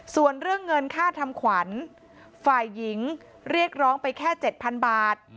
ส่วนเรื่องเงินค่าทำขวัญฝ่ายหญิงเรียกร้องไปแค่๗๐๐บาท